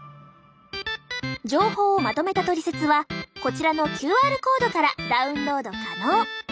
情報をまとめたトリセツはこちらのＱＲコードからダウンロード可能！